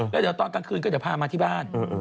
แล้วตอนกลางคืนก็ไทยพามาที่บ้าน